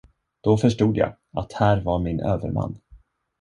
Då förstod jag, att här var min överman.